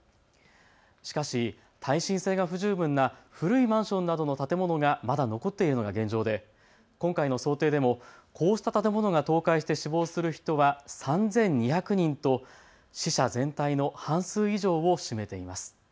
しかし耐震性が不十分な古いマンションなどの建物がまだ残っているのが現状で今回の想定でも、こうした建物が倒壊して死亡する人は３２００人と死者全体の半数以上を占めています。